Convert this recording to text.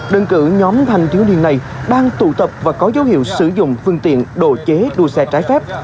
đơn cử nhóm thanh thiếu niên này đang tụ tập và có dấu hiệu sử dụng phương tiện đồ chế đua xe trái phép